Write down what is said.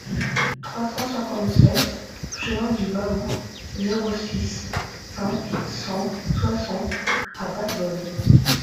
trois cent cinquante-sept chemin du Baou, zéro six, cinq cent soixante à Valbonne